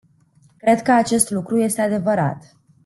Cred că acest lucru este adevărat.